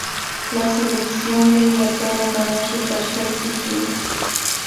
La selección de Inglaterra ganó su tercer título.